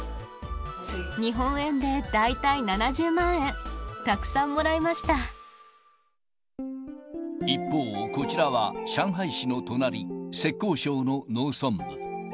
日本円で大体７０万円、一方、こちらは上海市の隣、浙江省の農村部。